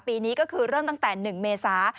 ปีนี้ก็คือเริ่มตั้งแต่๑เมษา